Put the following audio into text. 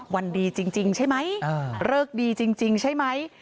วันดีจริงใช่ไหมเลิกดีจริงใช่ไหม